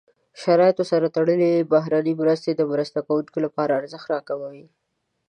شرایطو سره تړلې بهرنۍ مرستې د مرسته کوونکو لپاره ارزښت راکموي.